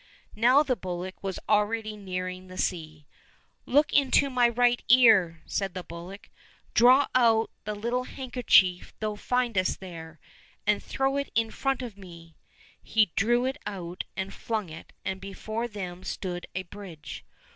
Now the bullock was already nearing the sea. " Look into my right ear," said the bullock, " draw out the little handkerchief thou findest there, and throw it in front of me. He drew it out and flung it, and before them stood a bridge.